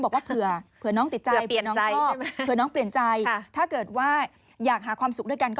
บอกว่าเผื่อน้องติดใจ